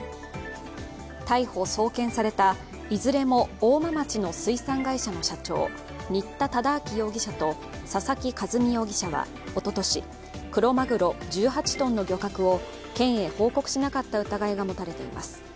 逮捕・送検されたいずれも大間町の水産会社の社長、新田忠明容疑者と佐々木一美容疑者はおととし、クロマグロ１８ｔの漁獲を県へ報告しなかった疑いが持たれています。